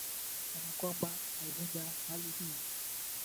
kana kwamba alivunja hali hii akaiingiza ndani Hakuna uchangamfu unaongaa